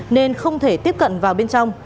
nên không thể tiếp cận vào bên trong